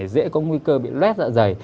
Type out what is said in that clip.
dễ có nguy cơ bị lét dạ dày